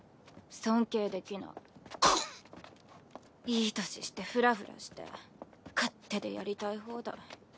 いい年してフラフラして勝手でやりたい放題。